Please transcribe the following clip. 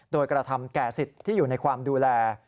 โดยกระทำแก่สิทธิ์ที่อยู่ในความดูแล